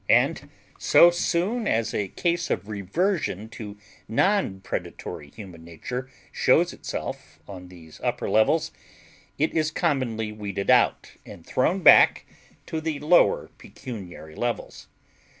And so soon as a case of reversion to non predatory human nature shows itself on these upper levels, it is commonly weeded out and thrown back to the lower pecuniary levels.